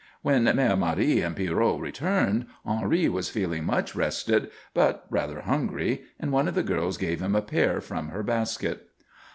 When Mère Marie and Pierrot returned, Henri was feeling much rested but rather hungry, and one of the girls gave him a pear from her basket.